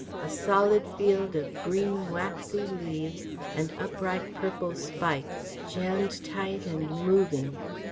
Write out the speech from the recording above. A solid field of green, waxy leaves and upright purple spikes, jammed tight and moving.